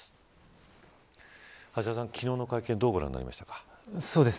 橋田さん、昨日の会見どうご覧になりましたか。